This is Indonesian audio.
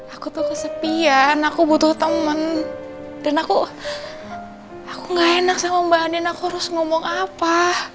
aku tuh kesepian aku butuh teman dan aku aku gak enak sama mbak anin aku harus ngomong apa